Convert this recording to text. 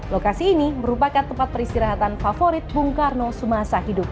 lokasi ini merupakan tempat peristirahatan favorit bung karno semasa hidup